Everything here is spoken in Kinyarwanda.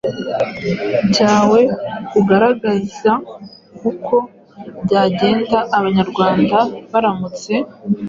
byawe ugaragaza uko byagenda Abanyarwanda baramutse